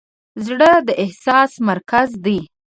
زړه د احساس مرکز دی.